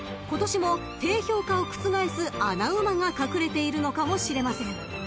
［今年も低評価を覆す穴馬が隠れているのかもしれません］